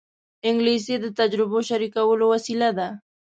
انګلیسي د تجربو شریکولو وسیله ده